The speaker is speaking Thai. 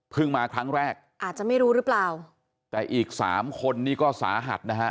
มาครั้งแรกอาจจะไม่รู้หรือเปล่าแต่อีกสามคนนี้ก็สาหัสนะฮะ